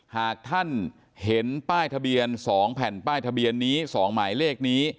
หากท่านเห็นป้ายทะเบียน๒แผ่นป้ายทะเบียนนี้๒หมายเลขนี้